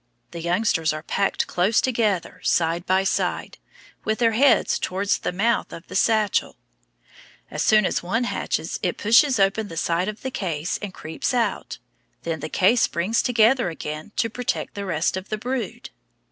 The youngsters are packed close together, side by side, with their heads towards the mouth of the satchel. As soon as one hatches it pushes open the side of the case and creeps out. Then the case springs together again to protect the rest of the brood.